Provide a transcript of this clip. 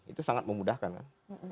itu sangat memudahkan kan